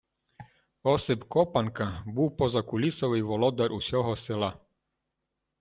Осип Копанка був позакулісовий володар усього села.